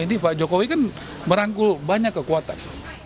ini pak jokowi kan merangkul banyak kekuatan